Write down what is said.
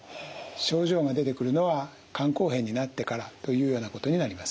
症状が出てくるのは肝硬変になってからというようなことになります。